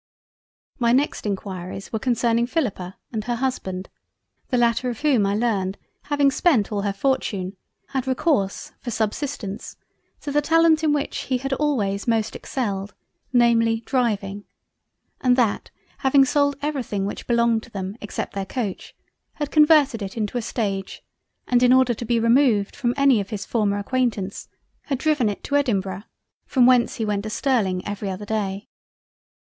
My next enquiries were concerning Philippa and her Husband, the latter of whom I learned having spent all her fortune, had recourse for subsistence to the talent in which, he had always most excelled, namely, Driving, and that having sold every thing which belonged to them except their Coach, had converted it into a Stage and in order to be removed from any of his former Acquaintance, had driven it to Edinburgh from whence he went to Sterling every other Day.